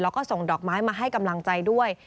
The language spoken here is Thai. แล้วก็ส่งดอกไม้มาให้กำลังใจด้วย